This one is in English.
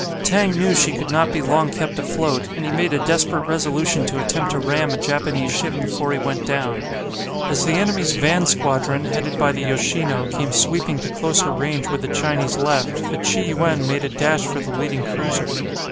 Tang knew she could not be long kept afloat, and he made a desperate resolution to attempt to ram a Japanese ship before he went down. As the enemy's van squadron, headed by the "Yoshino," came sweeping to closer range with the Chinese left the "Chi yuen" made a dash for the leading cruiser.